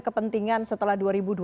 kepentingan setelah dua ribu dua puluh